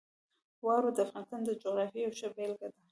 واوره د افغانستان د جغرافیې یوه ښه بېلګه ده.